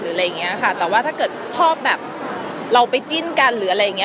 อะไรอย่างเงี้ยค่ะแต่ว่าถ้าเกิดชอบแบบเราไปจิ้นกันหรืออะไรอย่างเงี้